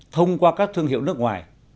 thông qua các thương hiệu nước ngoài